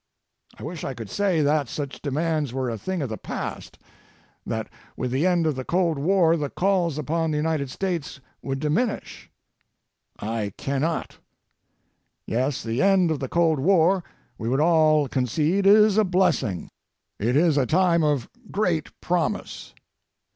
I wish I could say that such demands were a thing of the past, that with the end of the cold war the calls upon the United States would diminish. I cannot. Yes, the end of the cold war, we would all concede, is a blessing. It is a time of great promise.